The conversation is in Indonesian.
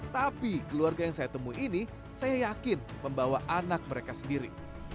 tapi keluarga yang saya temui ini saya yakin membawa anak mereka sendiri